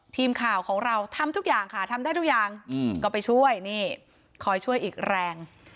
ทีมข่าวของเราทำทุกอย่างค่ะทำได้ทุกอย่างก็ไปช่วยนี่คอยช่วยอีกแรง